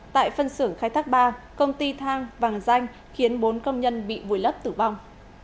tại phân xưởng khai thác ba công ty thang vàng danh khiến bốn công nhân bị vùi lấp tử vong